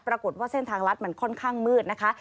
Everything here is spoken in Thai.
ปรากฏว่าเส้นทางลัดมันค่อนข้างมืดนะคะ